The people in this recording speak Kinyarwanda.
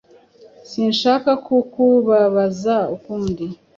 Sinshaka kukubabaza ukundi.